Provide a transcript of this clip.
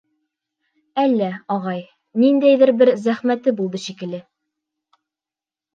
— Әллә, ағай, ниндәйҙер бер зәхмәте булды шикелле.